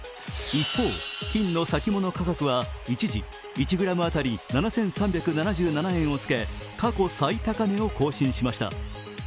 一方、金の先物価格は一時１ｇ当たり７３７７円をつけ過去最高値を更新しました。